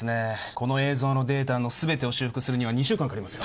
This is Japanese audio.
この映像のデータの全てを修復するには２週間かかりますよ